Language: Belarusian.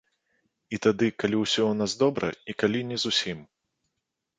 І тады, калі ўсё ў нас добра, і калі не зусім.